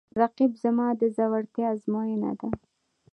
رقیب زما د زړورتیا آزموینه ده